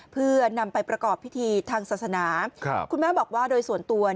เพื่อนำไปประกอบพิธีทางศาสนาคุณแม่บอกว่าโดยส่วนตัว